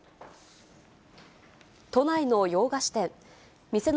都内の洋菓子店。